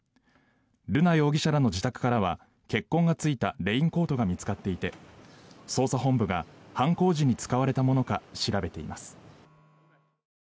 瑠奈容疑者らの自宅からは血痕がついたレインコートが見つかっていて捜査本部が犯行時に使われたものか調べています。